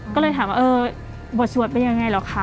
ก็เลยถามว่าเออบทสวดเป็นยังไงเหรอคะ